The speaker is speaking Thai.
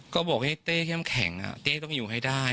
ก็บอกให้เต้เข้มแข็งเต้ต้องไปอยู่ให้ได้